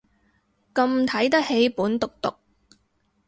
咁睇得起本毒毒